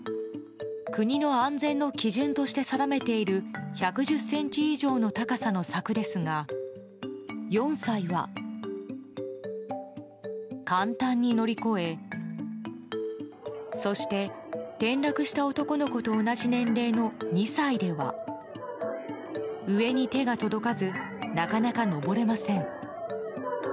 国の安全の基準として定めている１１０ｃｍ以上の高さの柵ですが４歳は簡単に乗り越えそして、転落した男の子と同じ年齢の２歳では上に手が届かずなかなか登れません。